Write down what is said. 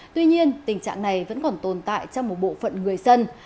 tuy nhiên tình trạng này vẫn còn tồn tại trong một bộ phận người dân